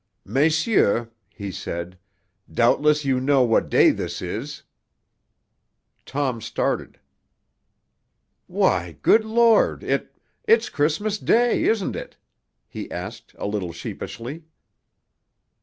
"Messieurs," he said, "doubtless you know what day this is?" Tom started. "Why, good Lord, it it's Christmas Day, isn't it?" he asked, a little sheepishly.